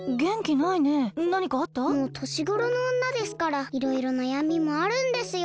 もうとしごろのおんなですからいろいろなやみもあるんですよ。